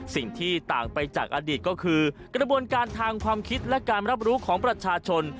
สิ่งที่ต่างไปจากอดีตก็คือกระบวนการทางความคิดและการรับรู้ของประชาชน